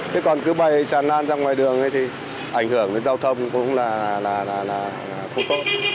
thế còn cứ bày tràn lan ra ngoài đường thì ảnh hưởng đến giao thông cũng là không tốt